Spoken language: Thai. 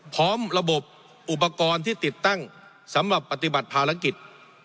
พร้อมระบบอุปกรณ์ที่ติดตั้งสำหรับปฏิบัติภารกิจ